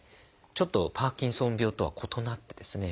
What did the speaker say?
ちょっとパーキンソン病とは異なってですね